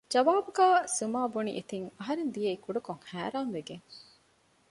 ޖަވާބުގައި ސުމާބުނިއެތިން އަހަރެން ދިޔައީ ކުޑަކޮށް ހައިރާން ވެގެން